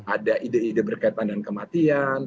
ada ide ide berkaitan dengan kematian